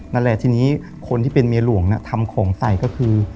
นั่นแหละทีนี้คนที่เป็นเมียหลวงทำของใส่ก็คือ